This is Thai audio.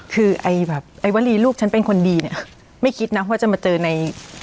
คือไอ้แบบไอ้วลีลูกฉันเป็นคนดีเนี่ยไม่คิดนะว่าจะมาเจอใน